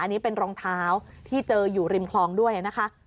อันนี้เป็นรองเท้าที่เจออยู่ริมคลองด้วยนะคะ